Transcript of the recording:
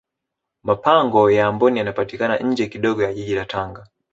mapango ya amboni yanapatikana nje kidogo ya jiji la tanga